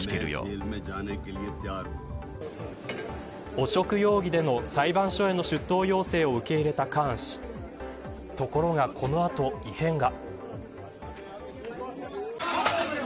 汚職容疑での裁判所への出頭要請を受け入れたカーン氏ところが、この後異変が。